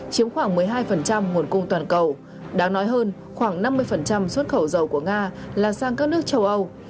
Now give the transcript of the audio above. chiếm khoảng một mươi hai nguồn cung toàn cầu đáng nói hơn khoảng năm mươi xuất khẩu dầu của nga là sang các nước châu âu